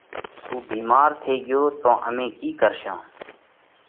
اُو ڀيمار ٿي ڳيو تو امي ڪِي ڪرشون۔